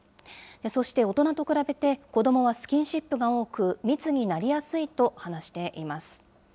そして大人と比べて、子どもはスキンシップが多く、密になりやすいと話しています。